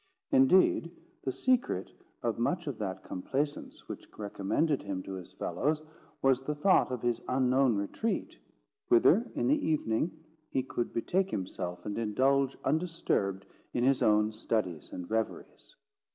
Indeed, the secret of much of that complaisance which recommended him to his fellows, was the thought of his unknown retreat, whither in the evening he could betake himself and indulge undisturbed in his own studies and reveries.